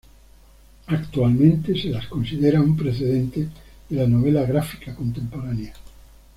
Actualmente se las considera un precedente de la novela gráfica contemporánea.